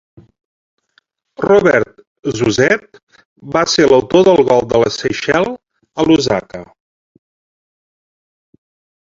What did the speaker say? Robert Suzette va ser l'autor del gol de les Seychelles a Lusaka.